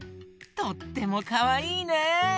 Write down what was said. とってもかわいいね！